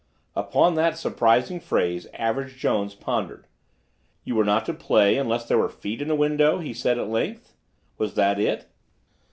Upon that surprising phrase Average Jones pondered. "You were not to play unless there were feet the window," he said at length. "Was that it?"